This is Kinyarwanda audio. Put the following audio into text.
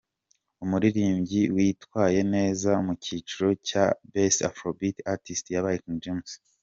Umuririmbyi witwaye neza mu cyiciro cya “Best Afro Beat Artist” yabaye King James.